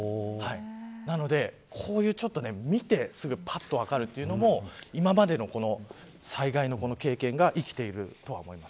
なので、こういうのを見てすぐぱっと分かるというのも今までの災害の経験が生きていると思います。